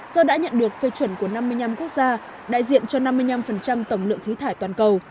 do đã nhận được phê chuẩn của năm mươi năm quốc gia đại diện cho năm mươi năm tổng lượng khí thải toàn cầu